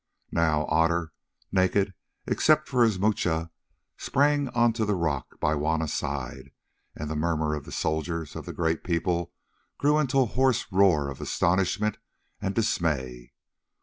Now Otter, naked except for his moocha, sprang on to the rock by Juanna's side, and the murmur of the soldiers of the Great People grew into a hoarse roar of astonishment and dismay.